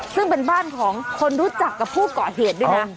ซึ่งเป็นบ้านของคนรู้จักกับผู้เกาะเหตุด้วยนะ